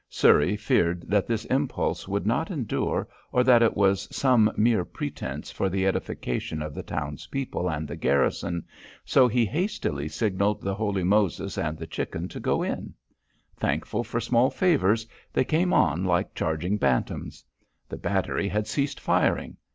Surrey feared that this impulse would not endure or that it was some mere pretence for the edification of the town's people and the garrison, so he hastily signalled the Holy Moses and the Chicken to go in. Thankful for small favours, they came on like charging bantams. The battery had ceased firing.